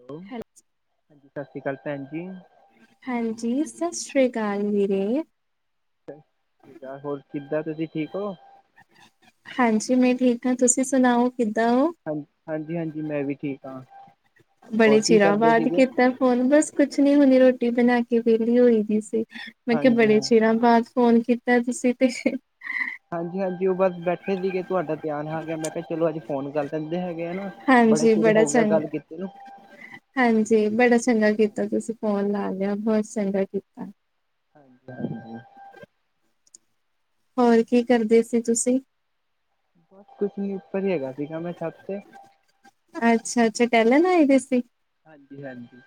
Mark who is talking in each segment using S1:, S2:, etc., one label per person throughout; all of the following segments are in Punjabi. S1: ਹੈਲੋ
S2: ਹੈ
S1: ਸਤਿ ਸ਼੍ਰੀ ਅਕਾਲ ਭੈਣ ਜੀ।
S2: ਹਾਂਜੀ ਸਤਿ ਸ਼੍ਰੀ ਅਕਾਲ ਵੀਰੇ।
S1: ਕਿਦਾ ਹੋਰ ਕਿੱਦਾਂ ਤੁਸੀਂ ਠੀਕ ਹੋ
S2: ਹਾਂਜੀ ਮੈਂ ਠੀਕ ਹਾਂ ਤੁਸੀਂ ਸੁਣਾਓ ਕਿੱਦਾਂ ਹੋ
S1: ਹਾਂਜੀ ਹਾਂਜੀ ਮੈਂ ਵੀ ਠੀਕ ਹਾਂ।
S2: ਬੜੇ
S1: ਹੋਰ ਕੀ
S2: ਚਿਰਾਂ
S1: ਕਰਦੇ
S2: ਬਾਅਦ
S1: ਸੀਗੇ
S2: ਕੀਤਾ ਫੋਨ ਬਸ ਕੁਛ ਨੀ ਹੁੰਣੀ ਰੋਟੀ ਬਣਾ ਕੇ ਵਿਹਲੀ ਹੋਈ ਦੀ ਸੀ ਮੈਂ ਕਿਹਾ
S1: ਹਾਂਜੀ
S2: ਬੜੇ
S1: ਹਾਂ
S2: ਚਿਰਾਂ ਬਾਅਦ ਫੋਨ ਕੀਤਾ ਤੁਸੀਂ ਤੇ
S1: ਹਾਂਜੀ ਹਾਂਜੀ ਉਹ ਬਸ ਬੈਠੇ ਸੀਗੇ ਤੁਹਾਡਾ ਧਿਆਨ ਆ ਗਿਆ ਮੈਂ ਕਿਹਾ ਚਲੋ ਅੱਜ ਫੋਨ ਕਰ ਦਿੰਦੇ ਹੈਗੇ ਆ ਨਾ ਬੜੇ
S2: ਹਾਂਜੀ
S1: ਚਿਰ
S2: ਬੜਾ
S1: ਹੋ ਗਿਆ
S2: ਚੰਗਾ
S1: ਗੱਲ ਕੀਤੇ ਨੂੰ
S2: ਹਾਂਜੀ ਬੜਾ ਚੰਗਾ ਕੀਤਾ ਤੁਸੀਂ ਫੋਨ ਲਾ ਲਿਆ ਬਹੁਤ ਚੰਗਾ ਕੀਤਾ
S1: ਹਾਂਜੀ, ਹਾਂਜੀ।
S2: ਹੋਰ ਕੀ ਕਰਦੇ ਸੀ ਤੁਸੀਂ
S1: ਬਸ ਕੁਛ ਨੀ ਉੱਪਰ ਹੀ ਹੈਗਾ ਸਿਗਾ ਛੱਤ ਤੇ
S2: ਅੱਛਾ, ਅੱਛਾ ਟਹਿਲਨ ਆਏ ਦੇ ਸੀ।
S1: ਹਾਂਜੀ, ਹਾਂਜੀ।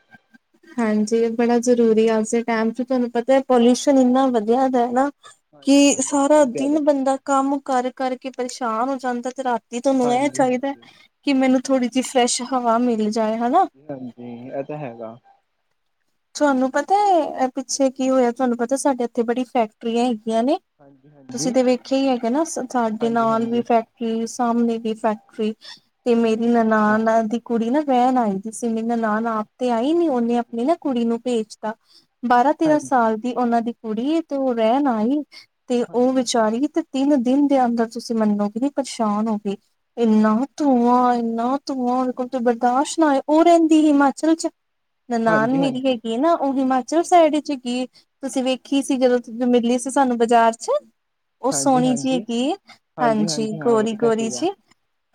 S2: ਹਾਂਜੀ ਬੜਾ ਜ਼ਰੂਰੀ ਆ ਉਸੇ ਟਾਈਮ ਚ ਤੁਹਾਨੂੰ ਪਤਾ ਹੈ ਪੋਲਿਊਸ਼ਨ ਇੰਨਾ ਵਧੀਆ ਦਾ ਨਾ ਕਿ
S1: ਹਾਂਜੀ ਹਾਂਜੀ
S2: ਸਾਰਾ
S1: ਬਹੁਤ ਜ਼ਿਆਦਾ
S2: ਦਿਨ ਬੰਦਾ ਕੰਮ ਕਰ ਕਰਕੇ ਪਰੇਸ਼ਾਨ ਹੋ ਜਾਂਦਾ ਤੇ ਰਾਤੀ ਤੁਹਾਨੂੰ ਇਹ
S1: ਹਾਂਜੀ
S2: ਚਾਹੀਦਾ
S1: ਹਾਂਜੀ
S2: ਕਿ ਮੈਨੂੰ ਥੋੜ੍ਹੀ ਜਿਹੀ ਫਰੈਸ਼ ਹਵਾ ਮਿਲ ਜਾਏ ਹਨਾ
S1: ਹ ਇਹ ਤਾਂ ਹੈਗਾ।
S2: ਤੁਹਾਨੂੰ ਪਤਾ ਪਿੱਛੇ ਕੀ ਹੋਇਆ ਤੁਹਾਨੂੰ ਪਤਾ ਸਾਡੇ ਇੱਥੇ ਬੜੀ ਫੈਕਟਰੀਆਂ ਹੈਗੀਆਂ ਨੇ
S1: ਹਾਂਜੀ
S2: ਤੁਸੀਂ
S1: ਹਾਂਜੀ
S2: ਤੇ ਵੇਖਿਆ ਹੀ ਹੈਗੇ ਨਾ ਸਾਡੇ
S1: ਹਾਂਜੀ ਹਾਂਜੀ
S2: ਨਾਲ ਵੀ ਸਾਹਮਣੇ ਦੀ ਫੈਕਟਰੀ ਤੇ ਮੇਰੀ
S1: ਹਾਂਜੀ ਹਾਂਜੀ ਹਾਂਜੀ
S2: ਨਨਾਨ ਦੀ ਕੁੜੀ ਨਾ ਬੈਣ ਆਈ ਜਿਸੇ ਮੇਰੀ ਨਨਾਨ ਆਪ ਤੇ ਆਈ ਨ ਉਹਨੇ
S1: ਹਾਂਜੀ
S2: ਆਪਣੀ ਨਾ ਕੁੜੀ ਨੂੰ ਪੇਜਤਾ ਬਾਰਾਂ ਤੇਰਾਂ
S1: ਹਾਂਜੀ
S2: -ਸਾਲ ਦੀ ਉਹਨਾਂ ਦੀ ਕੁੜੀ ਤੇ ਉਹ ਰਹਿਣ ਆਈ ਤੇ ਉਹ
S1: ਹਾਂਜੀ ਹਾਂਜੀ
S2: ਵਿਚਾਰੀ ਤੇ ਤਿੰਨ ਦਿਨ ਦੇ ਅੰਦਰ ਤੁਸੀਂ ਮੰਨੋਗੇ ਨਹੀਂ ਪਰੇਸ਼ਾਨ ਹੋ ਗਏ ਇਨਾ
S1: ਹਾਂਜੀ
S2: ਧੂੰਆਂ ਇਨਾ ਧੂੰ ਕੋਲ ਤੇ ਬਰਦਾਸ਼ਤ ਨਾ ਆਏ ਉਹ ਰਹਿੰਦੀ ਹਿਮਾਚਲ ਚ ਨਨਾਨ
S1: ਹਾਂਜੀ
S2: ਮੇ ਹੈਗੀ ਨਾ ਉਹ ਹਿਮਾਚਲ
S1: ਹਾਂਜੀ
S2: ਸਾਈਡ ਵਿੱਚਗੀ। ਤੁਸੀਂ ਵੇਖੀ ਸੀ ਜਦੋਂ ਮਿਲੀ ਸੀ ਸਾਨੂੰ ਬਾਜ਼ਾਰ ਚ ਉਹ
S1: ਹਾਂਜੀ
S2: ਸੋਹਣੀ ਜੀ
S1: ਹਾਂਜੀ
S2: ਹੈਗੀ ਏ ਹਾਂਜੀ
S1: ਹਾਂ
S2: ਗੋਰੀ
S1: ਵੇਖਿਆ
S2: ਗੋਰੀ
S1: ਸੀਗਾ
S2: ਜੀ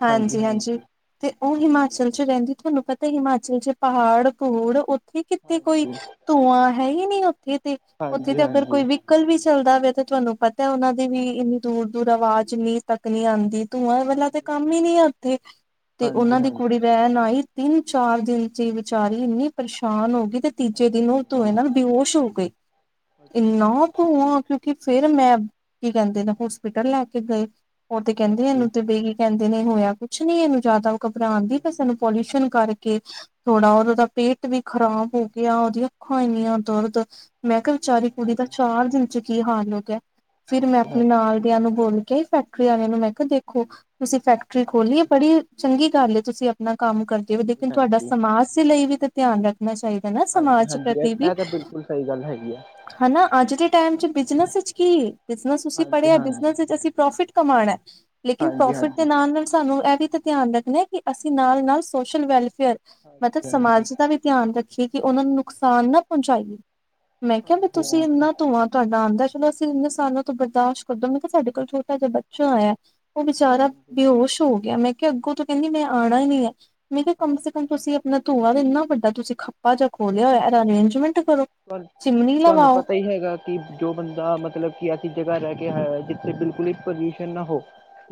S2: ਹਾਂਜੀ, ਹਾਂਜੀ। ਤੇ ਉਹ ਹਿਮਾਚਲ ਚ ਰਹਿੰਦੀ ਤੁਹਾਨੂੰ ਪਤਾ ਹਿਮਾਚਲ ਚ ਪਹਾੜ ਪੁੜ ਉੱਥੇ ਤੇ ਕੋਈ
S1: ਹਾਂਜੀ
S2: ਧੂੰਆਂ ਹੈ ਹੀ ਨੀ ਉੱਥੇ ਤੇ ਉੱਥੇ
S1: ਹਾਂਜੀ ਹਾਂਜੀ
S2: ਤੇ ਅਗਰ ਕੋਈ ਵਹੀਕਲ ਵੀ ਚੱਲਦਾ ਵ ਤੇ ਤੁਹਾਨੂੰ ਪਤਾ ਉਹਨਾਂ ਦੇ ਵੀ ਇੰਨੀ ਦੂਰ ਦੂਰ ਆਵਾਜ਼ ਨੀਂਹ ਤੱਕ ਨਹੀਂ ਆਂਦੀ ਧੂੰਆਂ ਵਲਾ ਤੇ
S1: ਹਾਂਜੀ
S2: ਕੰਮ ਹੀ
S1: ਹਾਂਜੀ
S2: ਨੀ ਆ ਉੱਥੇ ਤੇ ਉਹਨਾਂ
S1: ਹਾਂਜੀ
S2: ਦੀ
S1: ਹਾਂਜੀ
S2: ਕੁੜੀ ਰਹਿਨ ਆਈ ਤਿੰਨ ਚਾਰ ਦਿਨ ਚੀ ਵਿਚਾਰੀ ਇਨੀ ਪਰੇਸ਼ਾਨ ਹੋ ਗੀ ਤੇ ਤੀਜੇ
S1: ਹਾਂਜੀ
S2: ਦਿਨ
S1: ਹਾਂਜੀ
S2: ੳ
S1: ਹਾਂਜੀ
S2: ਧੂੰਏ
S1: ਹਾਂਜੀ
S2: ਨਾਲ ਬੇਹੋਸ਼ ਹੋ ਗਈ, ਏਨਾ
S1: ਹਾਂਜੀ ਹਾਂਜੀ ਹਾਂਜੀ ਹਾਂਜੀ
S2: ਧੂੰਆਂ ਕਿਉ ਤੇ ਫੇਰ ਮੈਂ, ਕੀ ਕੈਂਦੇ, ਹੋਸਪਿਟਲ ਲੈ ਕੇ ਗਏ। ੳ ਤੇ ਕੈਂਦੇ
S1: ਹਾਂਜੀ
S2: ਏਨੂੰ ਤੇ ਬਈ ਕੈਂਦੇ ਨੇ ਹੋਇਆ ਕੁਛ ਨੀ ਏਨੂੰ ਜਾਦਾ ਘਬਰਾਨ ਦੀ ਬਸ ਏਨੂੰ ਪੋਲੂਸ਼ਨ ਕਰਕੇ ਥੋੜਾ ੳਹ ੳਦਾ ਪੇਟ ਵੀ ਖਰਾਬ ਹੋ ਗਿਆ, ੳਦੀਆਂ ਅੱਖਾਂ ਏਨੀਆਂ ਦਰਦ ਮੈਂ ਕੇਆ ਵਿਚਾਰੀ ਕੁੜੀ ਦਾ ਚਾਰ ਦਿਨ ਚ ਕੀ ਹਾਲ ਹੋ ਗਿਆ। ਫਿਰ ਮੈਂ
S1: ਹਾਂਜੀ ਹਾਂਜੀ ਹਾਂਜੀ
S2: ਅਪਨੇ
S1: ਹਾਂਜੀ
S2: ਨਾਲਦੀਆਂ ਨੂੰ ਬੋਲ ਕੇ ਆਈ ਫੈਕਟਰੀ ਵਾਲੇ ਨੂੰ, ਮੈਂ ਕੇਆ ਦੇਖੋ ਤੁਸੀ ਫੈਕਟਰੀ ਫੈਕਟਰੀ ਖੋਲੀ ਏ ਬੜੀ ਚੰਗੀ ਗੱਲ ਏ, ਤੁਸੀ ਅਪਨਾ ਕੰਮ ਕਰਦੇ ੳ, ਲੇਕਿਨ ਤੁਆਡਾ ਸਮਾਜ ਦੇ ਲਈ ਵੀ ਤੇ ਧਿਆਨ ਰੱਖਨਾ ਚਾਈਦਾ ਨਾ ਸਮਾਜ ਪ੍ਰਤੀ
S1: ਇਹ
S2: ਵੀ।
S1: ਤਾਂ ਬਿਲਕੁਲ ਸਹੀ ਗੱਲ ਹੈਗੀ ਆ
S2: ਹੈਨਾ। ਅੱਜ ਦੇ ਟਾਈਮ ਚ
S1: ਹਾਂਜੀ
S2: ਬਿਜਨਸ ਵਿੱਚ ਕੀ, ਬਿਜਨਸ ਤੁਸੀ
S1: ਹਾਂਜੀ
S2: ਪੜੇਆ
S1: ਹਾਂਜੀ
S2: ਬਿਜਨਸ ਵਿੱਚ ਅਸੀ ਪ੍ਰੋਫਿਟ ਕਮਾਨਾ, ਲੇਕਿਨ
S1: ਹਾਂਜੀ
S2: ਪ੍ਰੋਫਿਟ
S1: ਹਾਂਜੀ
S2: ਦੇ
S1: ਹਾਂਜੀ
S2: ਨਾਲ-ਨਾਲ ਸਾਨੂੰ ਏਹ ਵੀ ਧਿਆਨ ਰੱਖਨਾ ਕਿ ਅਸੀ ਨਾਲ-ਨਾਲ ਸੋਸ਼ਲ ਵੈਲਫੇਅਰ ਮਤਲਬ
S1: ਹਾਂਜੀ ਹਾਂਜੀ
S2: ਸਮਾਜ ਦਾ ਵੀ ਧਿਆਨ ਰੱਖੀਏ ਕਿ ੳਨਾਂ ਨੂੰ ਨੁਕਸਾਨ ਨਾ ਪਹੁੰਚਾਈਏ। ਮੈਂ ਕੇਆ ਵੀ ਤੁਸੀ ਏਨਾ
S1: ਹਾਂਜੀ
S2: ਧੂੰਆਂ ਤਾਡਾ ਆਂਦਾ ਐ, ਚਲੋ ਅਸੀ ਏਨੇ ਸਾਲਾਂ ਤੋਂ ਬਰਦਾਸ਼ਤ ਕਰਦੇ, ਮੈ ਕੇਆ ਸਾਡੇ ਘਰ ਛੋਟਾ ਜਾ ਬੱਚਾ ਆਏਆ ੳ ਵੇਚਾਰਾ
S1: ਹਾਂਜੀ
S2: ਬੇਹੋਸ਼ ਹੋ ਗਿਆ। ਮੈਂ ਕੇਆ ਅਗੋ ਤੋਂ ਕੈਂਦੀ ਮੈਂ ਆਨਾ ਈ ਨਈ ਐ। ਮੈਂ ਕੇਆ ਕਮ ਸੇ ਕਮ
S1: ਹਾਂਜੀ
S2: ਤੁਸੀ ਨਾ ਧੂਆ ਤਾਂ ਏਨਾ ਵੱਡਾ ਤੁਸੀ ਖੱਪਾ ਜਿਆ
S1: ਹਾਂਜੀ
S2: ਖੋਲੇਆ ਹੋਏਆ, ਏਦਾ ਅਰੇਂਜਮੈਂਟ ਕਰੋ, ਚਿਮਨੀ ਲਗਾਓ।
S1: ਤੇ ਹੈਗਾ ਕਿ ਜੋ ਬੰਦਾ ਮਤਲਬ ਕਿ ਐਸੀ ਜਗਾ ਰੈ ਕੇ ਆਯਾ ਹੋਏ ਜਿੱਥੇ ਬਿਲਕੁਲ ਈ ਪੋਲੳਸ਼ਨ ਨਾ ਹੋ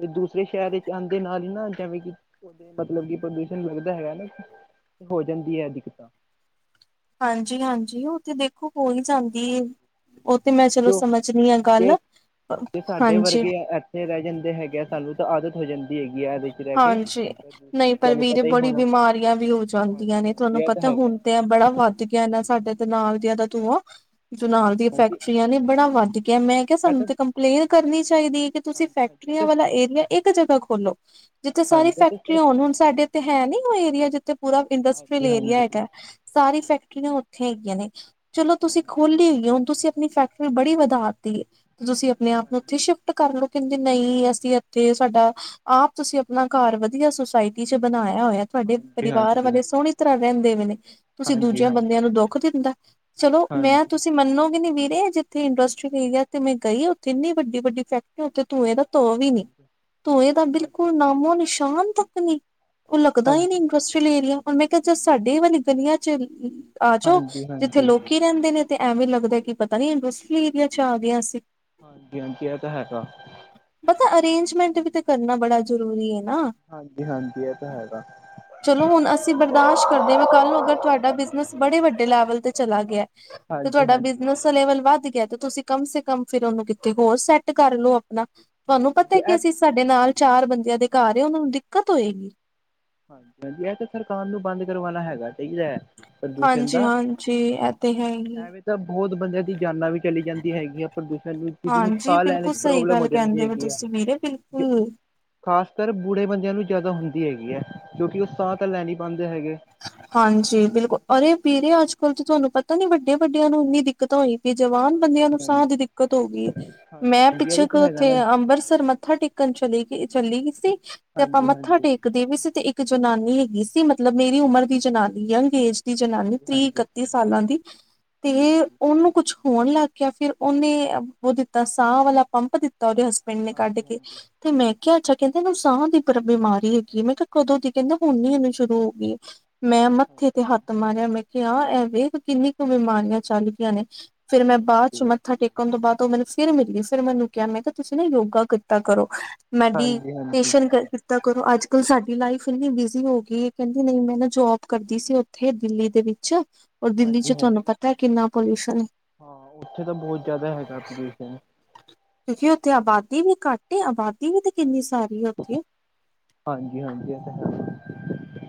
S1: ਤੇ ਦੂ ਦੂਸਰੇ ਸ਼ਹਰ ਇਚ ਆਂਦੇ ਨਾਲ ਏਨਾ ਜਾ ਵੀ ਕਿ ੳਦੇ ਮਤਲਬ ਕਿ ਪ੍ਰਦੂਸ਼ਨ ਲੱਗਦਾ ਹੈਗਾ ਨਾ, ਹੋ ਜਾਂਦੀ ਏ ਦਿੱਕਤਾਂ।
S2: ਹਾਂਜੀ ਹਾਂਜੀ ੳ ਤੇ ਦੇਖੋ ਹੋ ਈ ਜਾਂਦ ਦੀ ੳਹ ਤਾ ਮੈਂ ਚਲੋ
S1: ਜੋ
S2: ਸਮਝਨੀ ਆ
S1: ਜੇ
S2: ਗੱਲ, ਹਾਂਜੀ।
S1: ਏਥੇ ਰੈ ਜਾਂਦੇ ਹੈਗੇ ਆ, ਸਾਨੂੰ ਤਾਂ ਆਦਤ ਹੋ ਜਾਂਦੀ ਹੈਗੀ ਆ ਇਹਦੇ ਚ ਰਹਿ ਕੇ
S2: ਹਾਂਜੀ, ਨਈ
S1: ਪ੍ਰਦੂਸ਼ਣ,
S2: ਪਰ
S1: ਤੁਹਾਨੂੰ
S2: ਵੀਰੇ
S1: ਪਤਾ ਹੀ
S2: ਬੜੀ
S1: ਹੋਣਾ
S2: ਬਿਮਾਰੀਆਂ ਵੀ ਹੋ ਜਾਦੀਆਂ
S1: ਹਾਂਜੀ
S2: ਨੇ
S1: ਹਾਂਜੀ
S2: ਤਾਨੂੰ
S1: ਇਹ ਤਾਂ
S2: ਪਤਾ
S1: ਹੈਗਾ
S2: ਹੁਣ ਤੇ ਬੜਾ ਵੱਧ ਕੀ ਆ ਨਾ ਸਾਡੇ ਤੇ ਨਾਲ ਦੀਆ
S1: ਹਾਂਜੀ
S2: ਦਾ ਧੂਂਆ, ਨਾਲ ਦੀਆਂ
S1: ਹਾਂਜੀ ਹਾਂਜੀ
S2: ਫੈਕਟਰੀਆਂ ਨੇ ਬੜਾ ਵੱਧ ਗਿਆ। ਮੈਂ
S1: ਇਹ
S2: ਸਾਨੂੰ
S1: ਤਾਂ
S2: ਤੇ ਕੰਪਲੇਨ ਕਰਨੀ ਚਾਈਦੀ ਏ ਕਿ ਤੁਸੀ
S1: ਹਾਂਜੀ ਹਾਂਜੀ ਇਹ
S2: ਫੈਕਟਰੀਆਂ
S1: ਤਾਂ
S2: ਵਾਲਾ ਏਰੀਆ ਇੱਕ ਜਗਾ ਖੋਲੋ ਜਿੱਥੇ ਸਾਰੀ
S1: ਹਾਂਜੀ ਇਹ ਤਾਂ ਸਰ
S2: ਫੈਕਟਰੀਆਂ ਹੋਨ। ਹੁਨ ਸਾਡੇ ਏਥੇ ਹੈ ਨੀ ੳਹ ਏਰੀਆ ਜਿੱਥੇ ਪੂਰਾ ਇੰਡਸਟਰੀਅਲ
S1: ਹਾਂਜੀ
S2: ਏਰੀਆ
S1: ਹਾਂਜੀ
S2: ਹੈਗਾ, ਸਾਰੀ
S1: ਹਾਂਜੀ
S2: ਫੈਕਟਰੀਆਂ ੳਥੇ ਹੈਗੀਆਂ ਨੇ। ਚਲੋ ਤੁਸੀ
S1: ਹਾਂਜੀ
S2: ਖੋਲੀ ਹੋਈ ਏ, ਹੁਣ ਤੁਸੀ ਅਪਨੀ ਫੈਕਟਰੀ ਬੜੀ ਵਧਾ ਤੀ ਏ, ਤੁਸੀ ਅਪਨੇ ਆਪ ਨੂੰ ੳਥੇ
S1: ਹਾਂਜੀ
S2: ਸ਼ਿਫਟ ਕਰ ਲੋ, ਕੈਂਦੇ ਨਈ ਅਸੀ ਏਥੇ ਸਾਡਾ ਆਪ ਤੁਸੀ ਅਪਨਾ ਘਰ ਵਧੀਆ ਸੁਸਾਇਟੀ ਵਿਚ ਬਨਾਏਆ ਹੋਏਆ ਤਾਡੇ
S1: ਹਾਂਜੀ
S2: ਪਰਿਵਾਰ
S1: ਹਾਂਜੀ
S2: ਵਾਲੇ ਸੋਹਣੀ ਤਰਾਂ ਰਹੰਦੇ ਪਏ ਨੇ, ਤੁਸੀ
S1: ਹਾਂਜੀ
S2: ਦੂਜਿਆਂ
S1: ਹਾਂਜੀ
S2: ਬੰਦੇਆਂ ਨੂੰ ਦੁੱਖ ਦੇਂਦਾ। ਚਲੋ, ਮੈਂ
S1: ਹਾਂਜੀ
S2: ਤੁਸੀ ਮਨੋਗੇ ਨੀ ਵੀਰੇ ਅਜੇ ਏਥੇ ਇੰਡਸਟਰੀ ਏਰੀਆ ਤੇ ਮੈਂ ਗਈ ੳਥੇ ਇੰਨੀ ਵੱਡੀ-ਵੱਡੀ ਫੈਕਟਰੀਆਂ ਉਥੇ ਧੁਂਏ ਦਾ ਧੂਂ ਵੀ ਨੀ,
S1: ਹਾਂਜੀ
S2: ਧੂੰਏ ਦਾ
S1: ਹਾਂਜੀ
S2: ਬਿਲਕੁਲ
S1: ਹਾਂਜੀ
S2: ਨਾਮੋ ਨਿਸ਼ਾਨ ਤੱਕ ਨਈ। ੳ ਲਗਦਾ ਈ ਨਈ ਇੰਡਸਟਰੀਅਲ ਏਰੀਆ, ੳਨੁ ਮੈਂ ਕੇਆ ਸਾਡੇ ਵਾਲੀ ਗਲੀਆ ਚ ਆਜੋ
S1: ਹਾਂਜੀ ਹਾਂਜੀ
S2: ਜਿੱਥੇ
S1: ਹਾਂਜੀ
S2: ਲੋਕੀ ਰੈਂਦੇ ਨੇ ਤੇ ਐਵੇਂ ਲੱਗਦਾ ਕਿ ਪਤਾ ਨੀ ਇੰਡਸਟਰੀ ਏਰੀਆ ਵਿਚ ਆ ਗਏ ਆ ਅਸੀ।
S1: ਹਾਂਜੀ ਹਾਂਜੀ, ਐ ਤਾਂ ਹੈਗਾ।
S2: ਪਤਾ ਅਰੇਂਜਮੈਂਟ ਵੀ ਤਾਂ ਕਰਨਾ ਬੜਾ ਜਰੂਰੀ ਏ ਨਾ।
S1: ਹਾਂਜੀ ਹਾਂਜੀ, ਐ ਤਾਂ ਹੈਗਾ।
S2: ਚਲੋ ਹੁਣ ਅਸੀ ਬਰਦਾਸ਼ ਕਰਦੇ ਵਾਂ, ਕੱਲ ਨੂੰ ਅਗਰ ਤੁਆਡਾ ਬਿਜਨਸ ਬੜੇ ਵੱਡੇ ਲੈਵਲ ਤੇ ਚਲਾ ਗੇਆ ਤੇ
S1: ਹਾਂਜੀ
S2: ਤੁਆਡਾ
S1: ਹਾਂਜੀ ਹਾਂਜੀ
S2: ਬਿਜਨਸ ਦਾ ਲੇਵਲ ਵੱਧ ਗਿਆ ਤੇ ਤੁਸੀ ਕਮ ਸੇ ਕਮ ਫੇਰ ੳਨੂੰ ਕਿਥੇ ਹੋਰ ਸੈਟ ਕਰ ਲੋ ਅਪਨਾ।
S1: ਹਾਂਜੀ ਹਾਂਜੀ, ਐ
S2: ਤੁਹਾਡੇ ਨਾਲ ਚਾਰ ਬੰਦਿਆਂ ਦੇ ਘਰ ਉਹਨਾਂ ਨੂੰ ਦਿੱਕਤ ਹੋਏਗੀ।
S1: ਹਾਂਜੀ ਇਹ ਤਾਂ ਸਰਕਾਰ ਨੂੰ ਬੰਦ ਕਰਵਾਣਾ ਹੈਗਾ ਚਾਹੀਦਾ ਹੈ ਪ੍ਰਦੂਸ਼ਣ
S2: ਹਾਂਜੀ
S1: ਦਾ
S2: ਹਾਂਜੀ ਐ ਤੇ ਹੈ ਈ
S1: ਐਵੇਂ ਤਾਂ ਬਹੁਤ ਬੰਦਿਆਂ ਦੀ ਜਾਨਾਂ ਵੀ ਚਲੀ ਜਾਂਦੀ ਹੈਗੀ ਆ ਪ੍ਰਦੂਸ਼ਣ ਕਿਸ ਨੂੰ
S2: ਹਾਂਜੀ
S1: ਸਾਹ ਲੈਣ ਵਿੱਚ
S2: ਬਿਲਕੁਲ ਸਹੀ
S1: ਪ੍ਰੋਬਲਮ ਹੋ
S2: ਗੱਲ
S1: ਜਾਂਦੀ
S2: ਕਹਿੰਦੇ
S1: ਹੈਗੀ ਏ
S2: ਤੁਸੀਂ ਵੀਰੇ
S1: ਕੇ
S2: ਬਿਲਕੁਲ
S1: ਖ਼ਾਸ ਕਰ ਬੁਢੇ ਬੰਦਿਆਂ ਨੂੰ ਜ਼ਿਆਦਾ ਹੁੰਦੀ ਹੈਗੀ ਐ, ਕਿਉਂਕਿ ਓ ਸਾਹ ਤਾਂ ਲੈ ਨਹੀਂ ਪਾਂਦੇ ਹੈਗੇ।
S2: ਹਾਂਜੀ, ਬਿਲਕੁਲ। ਅਰੇ ਵੀਰੇ ਅੱਜਕੱਲ ਤੇ ਤੁਆਨੂੰ ਪਤਾ ਨੀ ਵੱਡੇ- ਵੱਡਿਆਂ ਨੂੰ ਦਿਕ ਦਿੱਕਤ ਹੋਈ ਵੀ, ਜਵਾਨ ਬੰਦਿਆਂ
S1: ਹਾਂਜੀ
S2: ਨੂੰ
S1: ਹਾਂਜੀ
S2: ਸਾਹ ਦੀ ਦਿੱਕਤ ਹੋ ਗਈ
S1: ਹਾਂਜੀ
S2: ਮੈਂ
S1: ਹਾਂਜੀ ਇਹੀ
S2: ਪਿੱਛੇ ਕੁ
S1: ਤਾਂ ਹੈਗਾ ਨਾ
S2: ਉਥੇ ਅੰਮ੍ਰਿਤਸਰ ਮੱਥਾ ਟੇਕਣ ਕੱਲ ਚਲੀ ਗਈ, ਚੱਲੀ ਗੀ ਸੀ। ਤੇ ਆਪਾਂ
S1: ਹਾਂਜੀ
S2: ਮੱਥਾ
S1: ਹਾਂਜੀ
S2: ਟੇਕਦੇ ਵੀ ਸੀ ਤੇ ਇੱਕ ਜਨਾਨੀ ਹੈਗੀ ਸੀ ਮਤਲਬ- ਮੇਰੀ ਉਮਰ ਦੀ ਜਨਾਨੀ ਯੰਗ ਏਜ ਤੀਹ ਜਨਾਨੀ,
S1: ਹਾਂਜੀ
S2: ਤੀਹ
S1: ਹਾਂਜੀ
S2: ਇਕੱਤੀ ਸਾਲਾਂ ਦੀ। ਤੇ
S1: ਹਾਂਜੀ
S2: ਓਨੂੰ ਕੁਛ ਹੋਣ ਲੱਗ ਗਿਆ, ਫੇਰ ਓਨੇ ਓ ਦਿੱਤਾ ਸਾਹ ਵਾਲਾ ਪੰਪ ਦਿੱਤਾ ਓਦੇ ਹਸਬੈਂਡ ਨੇ ਕੱਢ
S1: ਹਾਂਜੀ ਹਾਂਜੀ
S2: ਕੇ। ਤੇ ਮੈਂ ਕਿਆ ਅੱਛਾ, ਕੈਂਦੇ ਇਨੂੰ ਸਾਂ ਦੀ ਬਿਮਾਰੀ ਹੈਗੀ ਏ, ਮੈਂ ਕਿਆ ਕਦੋਂ ਦੀ, ਕੈਂਦਾ ਹੁਨ ਈ ਐਨੂੰ ਸ਼ੁਰੂ ਹੋ ਹੋਈ ਏ। ਮੈਂ
S1: ਹਾਂਜੀ
S2: ਮੱਥੇ ਤੇ ਹੱਥ ਮਾਰਿਆ, ਮੈਂ ਕ ਕਿਆ ਐ ਵੇਖ ਕਿੰਨੀ ਕੁ ਬਿਮਾਰੀਆਂ ਚੱਲ ਗੀਆਂ ਨੇ ਫੇਰ ਮੈਂ ਬਾਅਦ ਚ
S1: ਹਾਂਜੀ
S2: ਮੱਥਾ ਟੇਕ ਟੇਕਨ ਤੋਂ ਬਾਦ ਓ ਮੈਨੂੰ ਫਿਰ ਮਿਲੀ। ਫਿਰ ਮੈ ਉਨੂੰ ਕਿਆ, ਮੈਂ ਕਿਆ ਤੁਸੀਂ ਨਾ ਯੋਗਾ ਕੀਤਾ ਕਰੋ। ਮੈ ਵੀ
S1: ਹਾਂਜੀ ਹਾਂਜੀ
S2: -ਟੇਸ਼ਨ ਕਰ ਕੀਤਾ ਕਰੋ। ਅੱਜ ਕੱਲ ਸਾਡੀ ਲਾਈਫ ਇੰਨੀ ਬਿਜ਼ੀ ਹੋ ਗੀ‌ਏ। ਕਹਿੰਦੀ ਨਈ ਮੈਂ ਨਾ ਜੋਬ ਕਰਦੀ ਸੀ ਓਥੇ ਦਿੱਲੀ ਦੇ ਵਿੱਚ। ਔਰ ਦਿੱਲੀ ਚ ਤੁਆਨੂੰ
S1: ਹਾਂਜੀ
S2: ਪਤਾ ਪਤਾ ਕਿੰਨਾ ਪੋਲਯੂਸ਼ਨ ਆ।
S1: ਹਾਂ ਓਥੇ ਤਾਂ ਬਹੁਤ ਜਾਦਾ ਹੈਗਾ ਪੌਲੂਸ਼ਨ।
S2: ਕਿਉਂਕਿ ਉੱਥੇ ਆਬਾਦੀ ਵੀ ਘੱਟ ਏ, ਆਬਾਦੀ ਵੀ ਤੇ ਕਿੰਨੀ
S1: ਹਾਂਜੀ
S2: ਸਾਰੀ ਏ ਉੱਥੇ।
S1: ਹਾਂਜੀ- ਹਾਂਜੀ ਐ ਤਾ ਹੈ।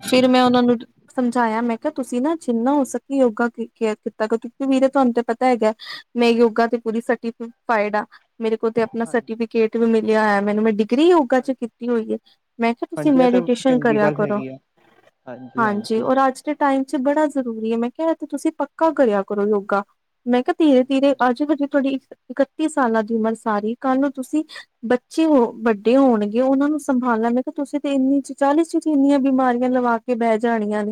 S2: ਫਿਰ ਮੈਂ ਓਨਾ ਨੂੰ ਨਿਤ ਸਮਝਾਇਆ। ਮੈਂ ਕਿਆ ਤੁਸੀਂ ਨਾ ਜਿੰਨਾ ਹੋ ਸਕੇ ਯੋਗਾ ਕੇਅਰ ਕੀਤਾ ਕਰੋ ਕਿਉਂਕਿ ਵੀਰੇ ਤੁਆਨੁ ਤੇ ਪਤਾ ਹੈਗੈ ਮੈਂ ਯੋਗਾ ਤੇ ਪੂਰੀ ਸਰਟੀ- ਫ - ਫਾਇਦਾ ਆ। ਮੇਰੇ ਕੋਲ ਤੇ ਅਪਨਾ
S1: ਹਾਂਜੀ
S2: ਸਰਟੀਫਿਕੇਟ ਵੀ ਮਿਲਿਆ ਹੋਇਆ ਮੈਨੂੰ ਮੈ ਡੀ ਡਿਗਰੀ ਯੋਗਾ ਚ
S1: ਹਾਂਜੀ
S2: ਕੀਤੀ ਹੋਈ ਏ। ਮੈਂ ਕਿਆ ਤੁਸੀਂ
S1: ਹਾਂਜੀ ਇਹ ਤਾਂ
S2: ਮੈਡੀਟੇਸ਼ਨ
S1: ਚੰਗੀ
S2: ਕਰਿਆ
S1: ਗੱਲ
S2: ਕਰੋ।
S1: ਹੈਗੀ ਆ
S2: ਹਾਂਜੀ ਔਰ ਅੱਜ ਦੇ ਟਾਈਮ ਚ ਬੜਾ ਜ਼ਰੂਰੀ ਏ। ਮੈਂ ਕਿਆ ਐ ਤੇ ਤੁਸੀਂ ਪ ਪਕਾ ਕਰਿਆ ਕਰੋ ਯੋਗਾ। ਮੈਂ ਕਿਆ ਧੀਰੇ-
S1: ਹਾਂਜੀ
S2: ਧੀਰੇ ਅੱਜ ਵਜੇ ਤੁਆਡੀ ਇੱਕੀ ਸਾਲਾਂ ਦੀ ਉਮਰ ਸਾਰੀ। ਕੱਲ ਨੂੰ ਤੁਸੀਂ ਬੱਚੇ ਹੋ, ਵੱਡੇ ਹੋਣਗੇ ਓਨਾਂ ਨੂੰ ਸੰਭਾਲ ਲੈਣਗੇ ਤੇ ਤੁਸੀਂ ਤੇ ਇੰਨੀ ਚ, ਚਾਲੀ ਚ ਇੰਨੀਆਂ ਬਿਮਾਰੀਆਂ ਲਵਾ ਕੇ ਬੈ ਜਾਣੀਆਂ।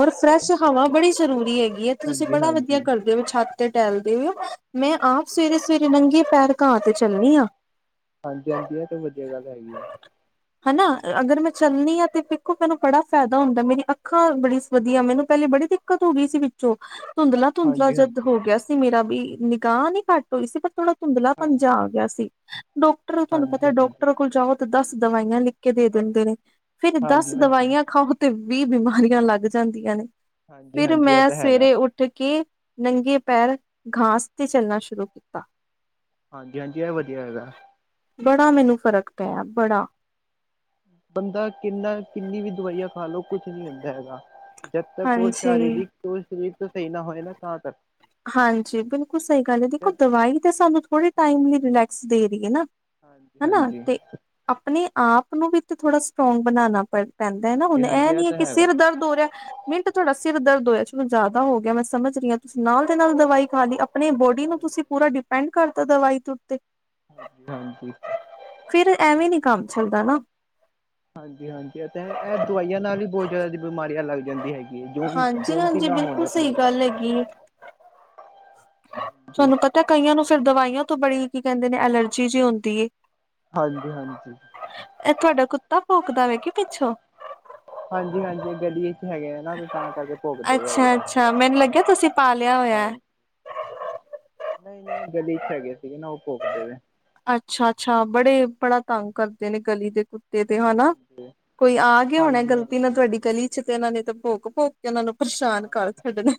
S2: ਔਰ ਫਰੈਸ਼ ਹਵਾ ਬੜੀ ਜ਼ਰੂਰੀ ਹੈਗੀ ਏ। ਤੁਸੀਂ
S1: ਹਾਂਜੀ
S2: ਬੜਾ
S1: ਹਾਂਜੀ
S2: ਵਧੀਆ ਕਰਦੇ ਓ, ਛੱਤ ਤੇ ਟਹਿਲਦੇ ਓ। ਮੈਂ ਆਪ
S1: ਹਾਂਜੀ
S2: ਸਵੇਰੇ-ਸਵੇਰੇ ਨੰਗੇ ਪੈਰ ਘਾਹ ਤੇ ਚੱਲਦੀ ਆਂ।
S1: ਹਾਂਜੀ-ਹਾਂਜੀ, ਐ ਤੇ ਵਧੀਆ ਗੱਲ ਹੈਗੀ ਆ।
S2: ਹੈਨਾ। ਅਗਰ ਮੈਂ ਚਲਨੀ ਆਂ ਤੇ ਦੇਖੋ ਮੈਨੂੰ ਬੜਾ ਫਾਇਦਾ ਹੁੰਦੈ, ਮੇਰੀਆਂ ਅੱਖਾਂ ਬੜੀ ਵਧੀਆ। ਮੈਨੂੰ ਪਹਿਲੇ ਬੜੀ ਦਿੱਕ ਦਿੱਕਤ ਹੋ ਗੀ ਸੀ ਵਿੱਚੋਂ ਧੁੰਦਲਾ-ਧੁੰਦਲਾ
S1: ਹਾਂਜੀ ਹਾਂਜੀ
S2: ਜਦ
S1: ਹਾਂਜੀ
S2: ਹੋ ਗਿਆ ਸੀ। ਮੇਰਾ ਬਈ ਨਿਗਾਹ ਨੀ ਘੱਟ ਹੋਈ ਸੀ ਪਰ ਥੋੜਾ ਧੁ ਧੁੰਦਲਾ ਪੰਨ ਜਿਹਾ
S1: ਹਾਂਜੀ
S2: ਆ ਗਿਆ ਸੀ। ਡੋਕਟਰ ਤੁਹਾਨੂੰ
S1: ਹਾਂਜੀ
S2: ਪਤਾ ਡੋਕ
S1: ਹਾਂਜੀ
S2: ਕੋਲ ਜਾਓ ਤੇ ਦਸ ਦਵਾਈਆਂ ਲਿਖ ਕੇ ਦੇ ਦੇਂਦੇ ਨੇ। ਫਿਰ ਦਸ ਦਵਾਈਆਂ
S1: ਹਾਂਜੀ
S2: ਖਾਓ ਤੇ ਵੀਹ ਬਿਮਾਰੀਆਂ ਲੱਗ ਜਾਂਦੀਆਂ ਨੇ।
S1: ਹਾਂਜੀ
S2: ਫਿਰ
S1: ਹਾਂਜੀ ਇਹ
S2: ਮੈਂ
S1: ਤਾਂ ਹੈਗਾ
S2: ਸਵੇਰੇ ਉੱਠ ਉੱਠ ਕੇ ਨੰਗੇ ਪੈਰ ਘਾਸ ਤੇ ਚੱਲਣਾ ਸ਼ੁਰੂ ਕੀਤਾ।
S1: ਹਾਂਜੀ-ਹਾਂਜੀ, ਐ ਵਧੀਆ ਹੈਗਾ।
S2: ਬੜਾ ਮੈਨੂੰ ਫ਼ਰਕ ਪਿਆ, ਬੜਾ।
S1: ਬੰਦਾ ਕਿੰਨਾ, ਕਿੰਨੀ ਵੀ ਦਵਾਈਆਂ ਖਾ ਲੋ, ਕੁਛ ਨੀ ਹੁੰਦਾ ਹੈਗਾ। ਜਦ ਤੱਕ ਓ
S2: ਹਾਂਜੀ
S1: ਸ਼ਾਰੀਰਿਕ ਓਰ ਸ਼ਰੀਰ ਤੋਂ ਸਈ ਨਾ ਹੋਏ ਨਾ ਤਾਂ ਤੱਕ।
S2: ਹਾਂਜੀ, ਬਿਲਕੁਲ ਸਈ ਗੱਲ ਏ। ਦੇਖੋ ਦਵਾਈ ਵੀ ਤੇ ਸਾਨੂੰ ਥੋੜੇ ਟਾਈਮ ਲਈ ਰਿਲੈਕਸ ਦੇ ਰੀ ਏ ਨਾ।
S1: ਹਾਂਜੀ-ਹਾਂਜੀ।
S2: ਅਪਨੇ ਆਪ ਨੂੰ ਵੀ ਤੇ ਥੋੜ੍ਹਾ ਸਟਰੋਂਗ ਬਨਾਨਾ ਪੈ ਪੈਂਦਾ ਏਨਾ,
S1: ਹਾਂਜੀ
S2: ਹੁਨ ਐ
S1: ਹਾਂਜੀ ਇਹ
S2: ਨੀ ਐ
S1: ਤਾਂ
S2: ਕਿ
S1: ਹੈਗਾ
S2: ਸਿਰ ਦਰਦ ਹੋ ਰੇਐ ਮਿੰਟ ਚ ਤੁਆਡਾ ਸਿਰ ਦਰਦ ਹੋਏਆ, ਚਲੋ ਜਾਦਾ ਹੋ ਗੇਆ ਮੈਂ ਸਮਝ ਰੀ ਆਂ ਤੁਸੀ ਨਾਲ ਦੇ ਨਾਲ ਦ ਦਵਾਈ ਖਾ ਲੀ, ਅਪਨੀ ਬੋਡੀ ਨੂੰ
S1: ਹਾਂਜੀ
S2: ਤੁਸੀ ਪੂਰਾ ਡਿਪੈਂਡ ਕਰਤਾ ਦਵਾਈ ਦੇ ਉੱਤੇ।
S1: ਹਾਂਜੀ-ਹਾਂਜੀ।
S2: ਫਿਰ ਐਵੇਂ ਨੀ ਕੰਮ ਚੱਲਦਾ ਨਾ।
S1: ਹਾਂਜੀ ਹਾਂਜੀ ਐ ਤੇ ਐ ਦਵਾਈਆਂ ਨਾਲ ਵੀ ਬੋਤ ਜਾਦਾ ਬਿਮਾਰੀਆਂ ਲੱਗ ਜਾਂਦੀ ਹੈਗੀ ਏ ਜੋਨ ਸੀ ਨਾ ਹੋਣ ਵਾਲੀ ਹੋਏ।
S2: ਮਲਬ ਕੀ ਤੁਆਨੂੰ ਪਤੈ ਕਈਆਂ ਨੂੰ ਸਿਰਫ ਦਵਾਈਆਂ ਤੋਂ ਬੜੀ ਕੀ ਕੈਂਦੇ ਨੇ ਐਲਰਜੀ ਜਿ ਹੁੰਦੀ ਏ।
S1: ਹਾਂਜੀ-ਹਾਂਜੀ।
S2: ਇਹ ਤੁਆਡਾ ਕੁੱਤਾ ਭੋਕਦਾ ਵੇ ਕਿ ਪਿੱਛੋਂ।
S1: ਹਾਂਜੀ ਹਾਂਜੀ ਐ ਗਲੀ ਏਚ ਹੈਗੇ ਐਨਾ ਤੇ ਤਾਂ ਕਰਕੇ ਭੋਂਕਦੇ ਵੇ ਹੈਗੇ
S2: ਅੱਛਾ-ਅੱਛਾ ਮੈਨੂੰ ਲੱਗਿਆ ਤੁਸੀਂ ਪਾਲਿਆ ਹੋਇਆ
S1: ਹਾਂ
S2: ਹੈ।
S1: ਨਈ ਨਈ ਐ ਗਲੀ ਚ ਹੈਗੇ ਸੀਗੇ ਨਾ ਓ ਭੋਕ ਦੇਵੇ
S2: ਅੱਛਾ-ਅੱਛਾ ਬੜੇ ਬੜਾ ਤੰਗ ਕਰਦੇ ਨੇ ਗਲੀ ਦੇ ਕੁੱ ਤੇ ਤੇ ਹਨਾ
S1: ਹਾਂਜੀ
S2: ਕੋਈ ਆ ਗੇਆ ਹੋਣਾ
S1: ਹਾਂਜੀ
S2: ਗ਼ਲਤੀ ਨਾਲ
S1: ਹਾਂਜੀ
S2: ਤੁਆਡੀ ਗਲੀ ਚ ਤੇ ਏਨਾਂ ਨੇ ਤਾਂ ਭੋਕ-ਭੋਕ ਓਨਾਂ ਨੂੰ ਪਰਸ਼ਾਨ ਕਰ ਛੱਡਣਾ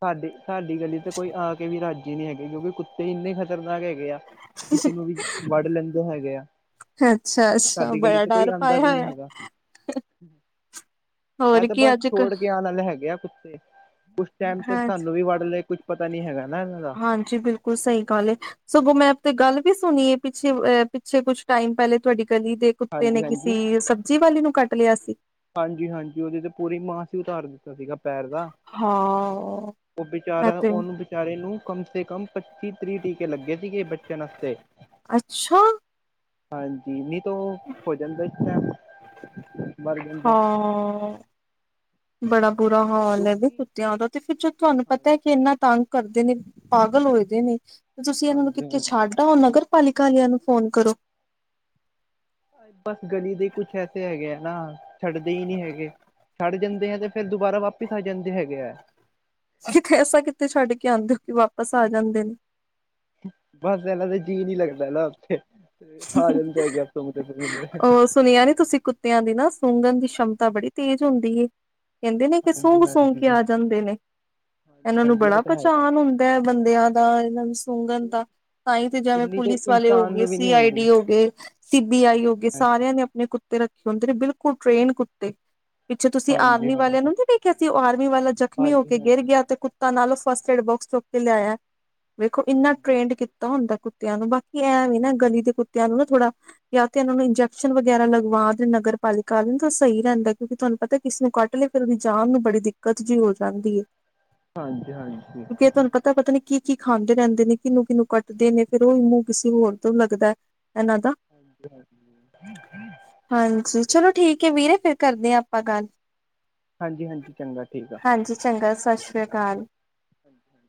S1: ਸਾਡੇ ਸਾਡੀ ਗਲੀ ਤੇ ਕੋਈ ਆ ਕੇ ਵੀ ਰਾਜੀ ਨੀ ਹੈਗੇ ਕਿਉਂਕਿ ਕੁੱਤੇ ਇੰਨੇ ਖ਼ਤਰਨਾਕ ਹੈਗੇ ਆ। ਕਿਸੀ ਨੂੰ ਵੀ ਵਡ ਲੈਂਦੇ ਹੈਗੇ ਆ।
S2: ਅੱਛਾ-ਅੱਛਾ
S1: ਸਾਡੀ ਗਲੀ
S2: ਬੜਾ
S1: ਤੇ ਕੋਈ
S2: ਡਰ
S1: ਆਂਦਾ
S2: ਪਾਇਆ
S1: ਵੀ ਨੀ
S2: ਹੋਇਆ
S1: ਹੈਗਾ। ਐ
S2: ਹੋਰ
S1: ਤੇ
S2: ਕੀ
S1: ਬਸ
S2: ਅੱਜ ਕ
S1: ਛੋੜ ਕੇ ਆਣ ਵਾਲੇ ਹੈਗੇ ਆ ਕੁ ਤੇ ਕੁਛ ਟੈਮ ਤਕ
S2: ਹਾਂ
S1: ਤਾਨੂੰ ਵੀ ਵਡ ਲੇ ਕੁਛ ਪਤਾ ਨੀ ਹੈਗਾ ਨਾ ਏਨਾਂ ਦਾ।
S2: ਜੀ ਬਿਲਕੁਲ ਸਈ ਗੱਲ ਏ। ਸਗੋਂ ਮੈਂ ਆਪ ਤੇ ਗੱਲ ਵੀ ਸੁਨੀ ਏ ਪਿੱਛੇ ਅ ਪਿੱਛੇ ਕੁਛ ਟਾਈਮ ਪੈਲੇ ਤੁਆਡੀ ਗਲੀ ਦੇ ਕੁੱਤੇ ਨੇ
S1: ਹਾਂਜੀ ਹਾਂਜੀ
S2: ਕਿਸੀ ਸਬਜੀ ਵਾਲੀ ਨੂੰ ਕੱਟ ਲੇਆ ਸੀ।
S1: ਹਾਂਜੀ ਹਾਂਜੀ ਓਦੇ ਤੇ ਪੂਰੀ ਮਾਂਸੀ ਉਤਾਰ ਦਿ ਤਾਂ ਸੀਗਾ ਪੈਰ ਦਾ।
S2: ਹਾਂ
S1: ਓ
S2: ਐ
S1: ਬਿਚਾਰਾ
S2: ਤੇ
S1: ਓਨੂੰ ਵਿਚਾਰੇ ਨੂੰ ਕਮ ਸੇ ਕਮ ਪੰਚੀ ਤਰੀ ਟੀਕੇ ਲਗੇ ਸੀਗੇ ਬੱਚਨ ਆਸਤੇ।
S2: ਅੱਛਾ
S1: ਹਾਂਜੀ ਨੀ ਤੋ ਹੋ ਜਾਂਦਾ [unintelligible]
S2: ਹਾਂ ਬੜਾ ਬੁਰਾ ਹਾਲ ਐ ਵੀ
S1: ਕਿਉਂਕਿ
S2: ਕੁਤੇਆਂ ਦਾ ਤੇ ਫਿਰ ਜਦ ਤੁਆਨੂੰ ਪਤਾ ਐ ਕਿ
S1: ਹਾਂਜੀ
S2: ਏਨਾ ਤੰਗ ਕਰਦੇ ਨੇ ਪਾਗਲ ਹੋਏ ਦੇ ਨੇ ਤੇ ਤੁਸੀ ਏਨਾਂ ਨੂੰ
S1: ਹਾਂਜੀ
S2: ਕਿੱਥੇ
S1: ਹਾਂਜੀ
S2: ਛੱਡ ਓ ਨਗਰ ਪਾਲਿਕਾ ਵਾਲੇਆਂ ਨੂੰ ਫੋਨ ਕਰੋ।
S1: ਬਸ ਗਲੀ ਦੇ ਈਕੁਛ ਐਸੇ ਹੈਗੇ ਐ ਨਾ ਛੱਡਦੇ ਈ ਨੀ ਹੈਗੇ ਛੱਡ ਜਾਂਦੇ ਐ ਤੇ ਫੇਰ ਦੁਬਾਰਾ ਵਾਪਿਸ ਆ ਜਾਂਦੇ ਹੈਗੇ ਐ।
S2: ਐਸਾ ਕਿਤੇ ਛੱਡ ਕੇ ਆਂਦੇ ਓ ਕਿ ਵਾਪਸ ਆ ਜਾਂਦੇ ਨੇ।
S1: ਬਸ ਐਨਾਂ ਤਾਂ ਜੀਅ ਨੀ ਲੱਗਦਾ ਨਾ ਓਥੇ। ਆ ਜਾਂੰਦੇ ਹੈਗੇ ਆ ਸੁਂਗਦੇ ਸੁੰਘਦੇ।
S2: ਸੁਨੇਆ ਨੀ ਤੁਸੀ ਕੁ ਕੁੱਤੇਆਂ ਦੀ ਨਾ ਸੁੰਘਣ ਦੀ ਛੰਮਤਾ ਬੜੀ ਤੇਜ਼ ਹੁੰਦੀ ਏ। ਕੈਂਦੇ ਨੇ ਕੇ
S1: ਹਾਂਜੀ
S2: ਸੁੰਘ-ਸੂੰਘ
S1: ਹਾਂਜੀ
S2: ਕੇ ਆ ਜਾਂਦੇ ਨੇ
S1: ਹਾਂਜੀ
S2: ਏਨਾਂ ਨੂੰ
S1: ਹਾਂਜੀ ਇਹ
S2: ਬੜਾ
S1: ਤਾਂ ਹੈਗਾ
S2: ਪਚਾਨ ਹੁੰਦੈ ਬੰਦਿਆਂ ਦਾ ਇਨਾਂ ਨੂੰ ਸੁੰਘਨ ਦਾ। ਤਾਈ ਤੇ ਜਿਵੇਂ
S1: ਇੰਨੀ ਤੇ
S2: ਪੁਲਿਸ ਵਾਲੇ ਹੋ
S1: ਇਨਸਾਨ
S2: ਗਏ
S1: ਨੂੰ ਵੀ
S2: ਸੀ
S1: ਨਹੀਂ
S2: ਆਈ
S1: ਹੁੰਦੀ
S2: ਡੀ ਹੋ ਗਏ, ਸੀ ਬੀ ਆਈ ਹੋ
S1: ਹਾਂਜੀ
S2: ਗਏ
S1: ਹਾਂਜੀ
S2: ਸਾਰਿਆਂ ਨੇ ਆਪਨੇ ਕੁੱਤੇ ਰਖੇ ਹੂੰਦੇ ਨੇ ਬਿਲਕੁਲ ਟ੍ਰੇਨ ਕੁੱਤੇ। ਪਿੱਛੇ ਤੁਸੀਂ
S1: ਹਾਂਜੀ
S2: ਆਰਮੀ
S1: ਹਾਂਜੀ
S2: ਵਾਲਿਆਂ ਨੂੰ ਨੀ ਵੇਖਿਆ ਸੀ ਉ ਆਰਮੀ ਵਾਲਾ ਜ਼ਖ਼ਮੀ ਹੋ ਕੇ
S1: ਹਾਂਜੀ ਹਾਂਜੀ
S2: ਗੇਰ ਗਿਆ ਤੇ ਕੁ ਨਾਲੋਂ ਫਸਟ ਏਡ ਬੋਕਸ ਚੁੱਕ ਕੇ ਲਿਆਇਆ ਵੇਖੋ ਏਨਾ
S1: ਹਾਂਜੀ
S2: ਟਰੇਨ ਕੀਤਾ ਹੁੰਦਾ ਕੁ ਕੁੱਤੇਆਂ ਨੂੰ ਬਾਕੀ ਐਂ ਵੀ ਨਾ ਗਲੀ ਦੇ ਕੁੱਤੇਆਂ ਨੂੰ ਨਾ ਥੋੜਾ ਯਾਂ ਤੇ ਇਨਾਂ ਨੂੰ ਇੰਜੈਕਸ਼ਨ ਵਗੈਰਾ ਲਗਵਾ ਦੇਨ ਨਗਰ ਪਾਲਿਕਾ ਵਾਲੇ ਉ ਸਈ ਰੈਂਦੈ ਕਿਉਂਕਿ ਤੁਹਾਨੂੰ ਪਤਾ ਕਿਸਨੂੰ ਕੱਟ ਲੇ ਫੇਰ ਉਦੀ ਜਾਨ ਨੂੰ ਬੜੀ ਦਿੱਕਤ ਜੀ ਹੋ ਜਾਂਦੀ ਏ।
S1: ਹਾਂਜੀ ਹਾਂਜੀ।
S2: ਤਾ ਪਤਾ ਨੀ ਕੀ ਕੀ ਖਾਂਦੇ ਰੈਦੇ ਨੇ ਕਿਨੂੰ'ਕਿਨੂੰ ਕੱਟਦੇ ਨੇ ਫੇਰ ਉਈ ਮੂੰਹ ਕਿਸੇ ਹੋਰ ਤੋ ਲੱਗਦਾ ਇਨਾਂ ਦਾ
S1: ਹਾਂਜੀ ਹਾਂਜੀ
S2: ਹਾਂਜੀ ਚਲੋ ਠੀਕ ਐ ਵੀਰੇ ਫੇਰ ਕਰਦੇ ਆਂ ਆਪਾਂ ਗੱਲ।
S1: ਹਾਂਜੀ-ਹਾਂਜੀ ਚੰਗਾ ਠੀਕ ਆ।
S2: ਹਾਂਜੀ ਚੰਗਾ ਸਸ ਸ਼੍ਰੀਆਕਾਲ।
S1: ਹਾਂਜੀ-ਹਾਂਜੀ।